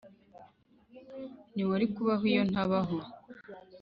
ntiwari kubaho iyo ntabaho!